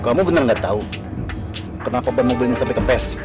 kamu bener gak tau kenapa bang mau beliin sampe kempes